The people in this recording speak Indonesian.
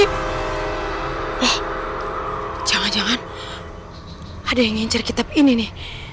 ih jangan jangan ada yang ngincar kitab ini nih